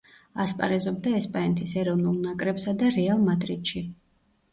ასპარეზობდა ესპანეთის ეროვნულ ნაკრებსა და „რეალ მადრიდში“.